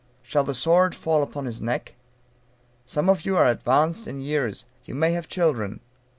Shall the sword fall upon his neck? Some of you are advanced in years you may have children.